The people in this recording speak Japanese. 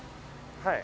はい。